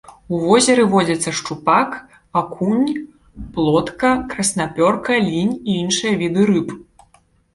У возеры водзяцца шчупак, акунь, плотка, краснапёрка, лінь і іншыя віды рыб.